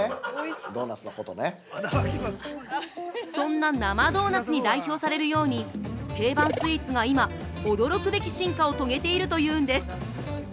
◆そんな生ドーナツに代表されるように定番スイーツが今、驚くべき進化を遂げているというんです。